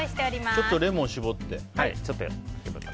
ちょっとレモンを搾って。